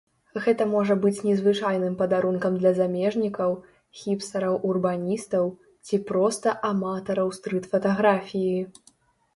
Гэта можа быць незвычайным падарункам для замежнікаў, хіпстараў-урбаністаў ці проста аматараў стрыт-фатаграфіі.